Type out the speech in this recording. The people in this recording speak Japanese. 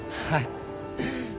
はい。